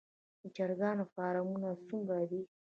د چرګانو فارمونه څومره دي؟